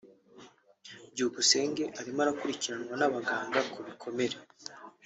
Byukusenge urimo gukurikiranwa n’abaganga ku bikomere